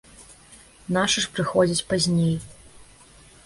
Нашы ж прыходзяць пазней.